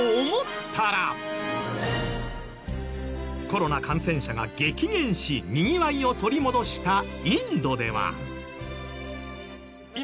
コロナ感染者が激減しにぎわいを取り戻したインドでは。